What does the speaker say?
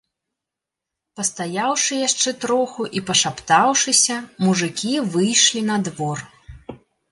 Пастаяўшы яшчэ троху і пашаптаўшыся, мужыкі выйшлі на двор.